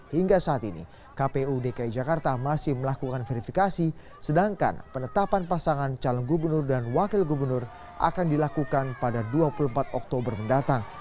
hingga saat ini kpu dki jakarta masih melakukan verifikasi sedangkan penetapan pasangan calon gubernur dan wakil gubernur akan dilakukan pada dua puluh empat oktober mendatang